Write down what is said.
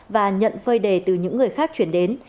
và nhận phơi đề từ những người khác chuyển đến